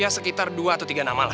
sekitar dua atau tiga nama lah